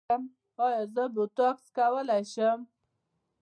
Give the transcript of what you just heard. ایا زه بوټاکس کولی شم؟